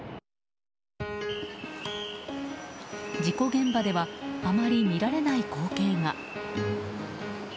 事故現場ではあまり見られない光景が。